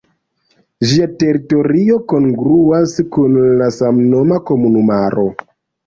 Ĝia teritorio kongruas kun la samnoma komunumaro.